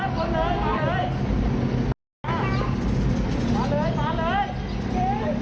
โหพี่แกพลายละไฟ